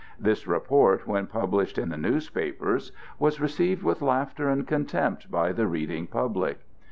This report, when published in the newspapers, was received with laughter and contempt by the reading public.